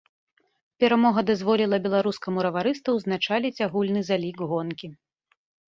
Перамога дазволіла беларускаму раварысту ўзначаліць агульны залік гонкі.